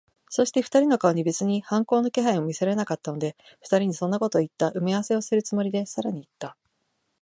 そして、二人の顔に別に反抗の気配も見られなかったので、二人にそんなことをいった埋合せをするつもりで、さらにいった。